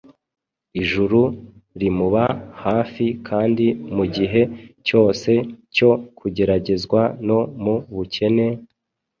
Ijuru rimuba hafi kandi mu gihe cyose cyo kugeragezwa no mu bukene,